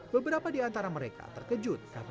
kebetulan yang sukar lebih terkejut karena